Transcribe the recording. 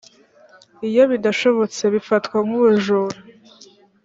iyo bidashobotse bifatwa nkubujuru